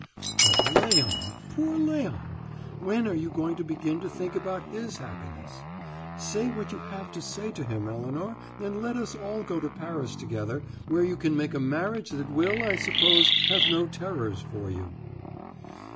"But Léon, poor Léon! When are you going to begin to think about his happiness? Say what you have to say to him, Elinor, and let us all go to Paris together, where you can make a marriage that will, I suppose, have no terrors for you.